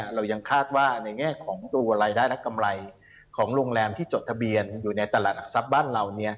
เรายังคาดว่าในแง่ของตัวรายได้และกำไรของโรงแรมที่จดทะเบียนอยู่ในตลาดหลักทรัพย์บ้านเรา